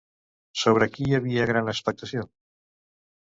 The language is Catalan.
Sobre qui hi havia gran expectació?